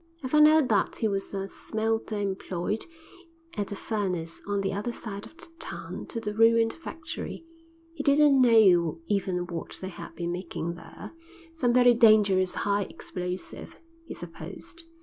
I found out that he was a smelter employed at a furnace on the other side of the town to the ruined factory; he didn't know even what they had been making there; some very dangerous high explosive, he supposed.